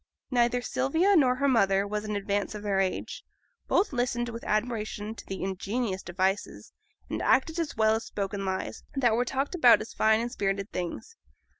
Neither Sylvia nor her mother was in advance of their age. Both listened with admiration to the ingenious devices, and acted as well as spoken lies, that were talked about as fine and spirited things.